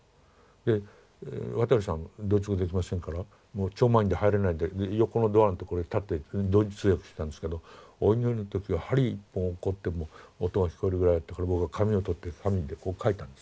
で渡さんドイツ語できませんから超満員で入れないで横のドアのところに立って同時通訳したんですけどお祈りの時は針１本落っこっても音が聞こえるぐらいだったから僕は紙を取って紙にこう書いたんです。